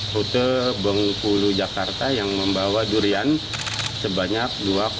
rute bengkulu jakarta yang membawa durian sebanyak dua dua puluh lima